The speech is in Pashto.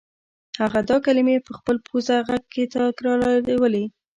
هغه دا کلمې په خپل پوزه غږ کې تکرارولې